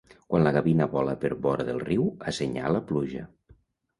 Quan la gavina vola per vora del riu, assenyala pluja.